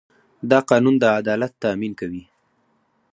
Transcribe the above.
دا قانون د عدالت تامین کوي.